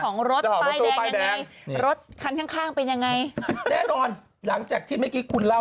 ของรถป้ายแดงยังไงรถคันข้างข้างเป็นยังไงแน่นอนหลังจากที่เมื่อกี้คุณเล่า